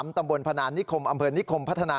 ตำบลพนานิคมอำเภอนิคมพัฒนา